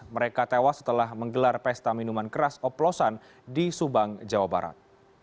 mereka tewas setelah menggelar pesta minuman keras oplosan di subang jawa barat